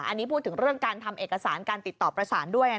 อันนี้พูดถึงเรื่องการทำเอกสารการติดต่อประสานด้วย